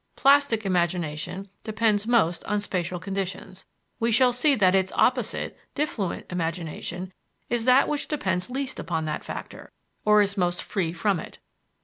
Plastic imagination depends most on spatial conditions. We shall see that its opposite, diffluent imagination, is that which depends least upon that factor, or is most free from it.